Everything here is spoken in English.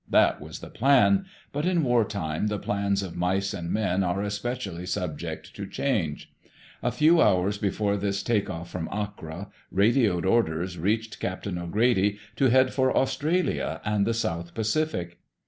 That was the plan; but in wartime the plans of mice and men are especially subject to change. A few hours before his take off from Accra, radioed orders reached Captain O'Grady to head for Australia and the South Pacific.